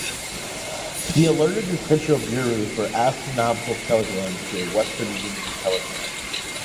He alerted the Central Bureau for Astronomical Telegrams through a Western Union telegram.